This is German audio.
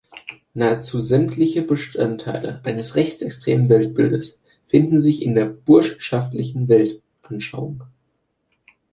Nahezu sämtliche Bestandteile eines rechtsextremen Weltbildes finden sich in der burschenschaftlichen Weltanschauung“".